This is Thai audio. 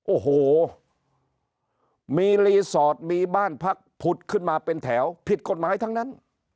โอ้โหมีรีสอร์ทมีบ้านพักผุดขึ้นมาเป็นแถวผิดกฎหมายทั้งนั้น